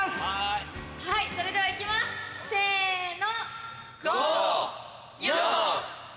はいそれでは行きますせの。